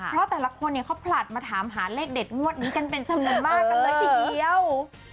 เพราะแต่ละคนเนี่ยเขาผลัดมาถามหาเลขเด็ดงวดนี้กันเป็นจำนวนมากกันเลยทีเดียว